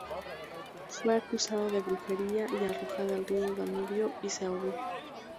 Fue acusada de brujería y arrojada al río Danubio y se ahogó.